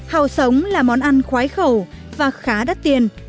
hàu sống là món ăn khoái khẩu và khá đắt tiền